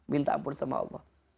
minta ampun sama allah